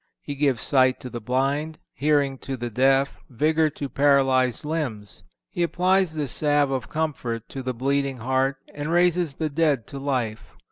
He gives sight to the blind, hearing to the deaf, vigor to paralyzed limbs; He applies the salve of comfort to the bleeding heart and raises the dead to life.